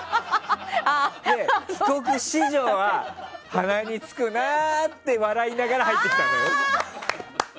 帰国子女は鼻につくなって笑いながら入ってきたの。